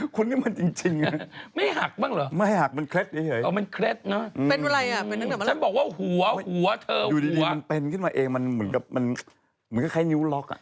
คือพอไปขับปากเขาหรือไร